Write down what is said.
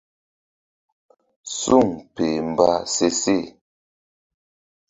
Suŋ peh mba se seh.